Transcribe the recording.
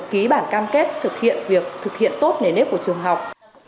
ký bản cam kết thực hiện việc thực hiện tốt nền nếp của trường học